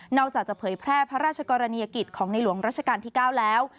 อกจากจะเผยแพร่พระราชกรณียกิจของในหลวงรัชกาลที่๙แล้ว